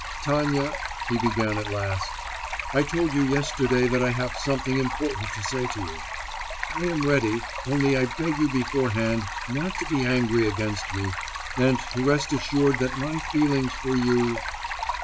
'Tanya,' he began at last, 'I told you yesterday that I have something important to say to you. I am ready, only I beg you beforehand not to be angry against me, and to rest assured that my feelings for you....